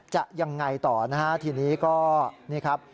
จะยังไงต่อนะฮะทีนี้ก็นี่ครับ